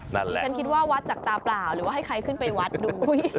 ฉันคิดว่าวัดจากตาเปล่าหรือว่าให้ใครขึ้นไปวัดดู